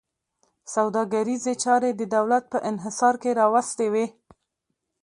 سوداګریزې چارې د دولت په انحصار کې راوستې وې.